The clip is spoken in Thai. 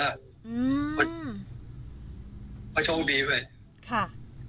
เพราะโชคดีไป